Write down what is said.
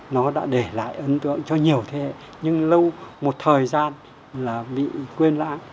nó đã để lại ấn tượng cho nhiều thế hệ nhưng lâu một thời gian bị quên lãng